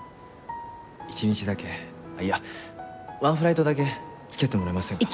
一日だけいやワンフライトだけ付き合ってもらえませんか？